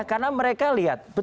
karena mereka lihat